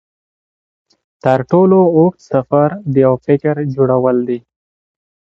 هغه د زده کوونکو په فعاليت خوښ شو.